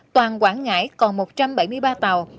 toàn quảng ngãi còn một trăm bảy mươi ba tàu